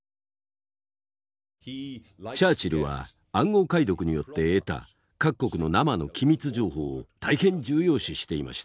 チャーチルは暗号解読によって得た各国の生の機密情報を大変重要視していました。